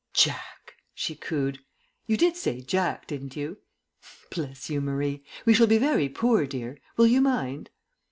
"Jack!" she cooed. "You did say 'Jack,' didn't you?" "Bless you, Marie. We shall be very poor, dear. Will you mind?"